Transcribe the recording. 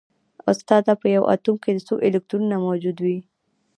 استاده په یو اتوم کې څو الکترونونه موجود وي